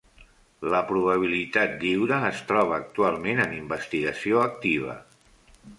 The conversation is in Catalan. La probabilitat lliure es troba actualment en investigació activa.